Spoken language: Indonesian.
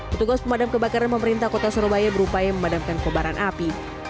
petugas pemadam kebakaran pemerintah kota surabaya berupaya memadamkan kobaran api